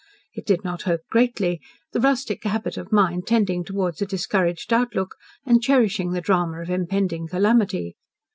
It did not hope greatly, the rustic habit of mind tending towards a discouraged outlook, and cherishing the drama of impending calamity.